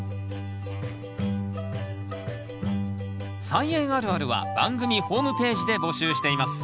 「菜園あるある」は番組ホームページで募集しています。